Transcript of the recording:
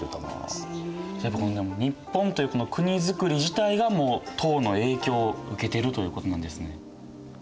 やっぱ日本という国づくり自体がもう唐の影響を受けてるということなんですね。